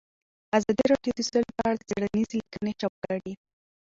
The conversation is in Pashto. ازادي راډیو د سوله په اړه څېړنیزې لیکنې چاپ کړي.